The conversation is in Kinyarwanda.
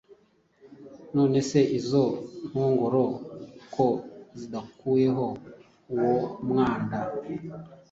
None se izo nkongoro ko zidakuyeho uwo mwanda